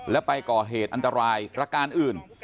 และไปก่อเหตุอันตรายประการอื่น